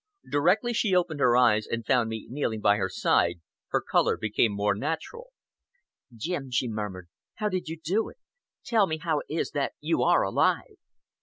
Directly she opened her eyes and found me kneeling by her side, her color became more natural. "Jim," she murmured, "how did you do it? Tell me how it is that you are alive."